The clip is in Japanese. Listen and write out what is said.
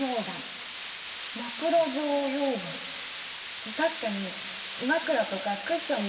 確かに枕とかクッションみたいな形。